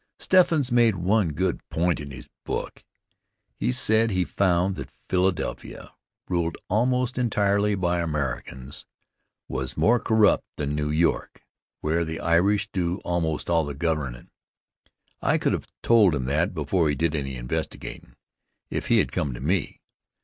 Steffens made one good point in his book. He said he found that Philadelphia, ruled almost entirely by Americans, was more corrupt than New York, where the Irish do almost all the governin'. I could have told him that before he did any investigatin' if he had come to me.